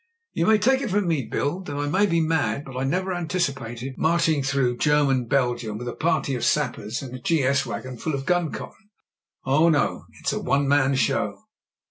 "You may take it from me. Bill, that I may be mad, but I never anticipated marching through German I30 MEN, WOMEN AND GUNS Belgium with a party of sappers and a G.S. wagon full of gun cotton. Oh, no — ^it's a one man show."